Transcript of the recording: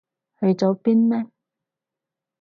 去咗邊呢？